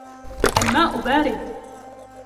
الماء بارد